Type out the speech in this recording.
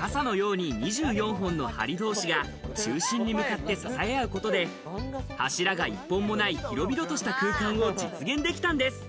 傘のように２４本の梁同士が中心に向かって支え合うことで柱が１本もない広々とした空間を実現できたんです。